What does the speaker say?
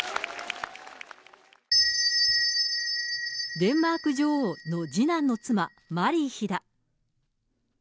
デンマーク女王の次男の妻、マリー妃だ。